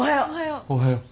おはよう。